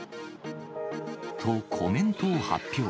と、コメントを発表。